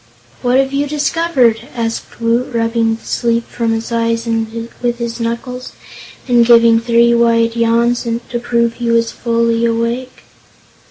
"What have you discovered?" asked Woot, rubbing the sleep from his eyes with his knuckles and giving three wide yawns to prove he was fully awake.